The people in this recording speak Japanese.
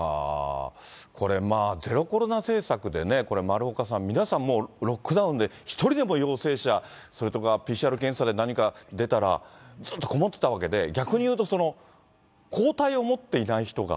これ、まあゼロコロナ政策でね、丸岡さん、皆さんもうロックダウンで、１人でも陽性者、それとかＰＣＲ検査で何か出たら、ずっとこもってたわけで、逆にいうと、抗体を持っていない人が。